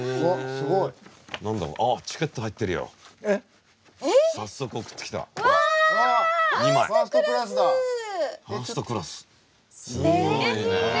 すごいね。